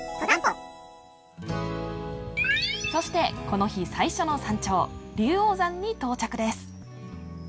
そしてこの日最初の山頂竜王山に到着です。